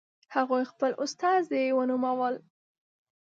هغوی خپل استازي ونومول.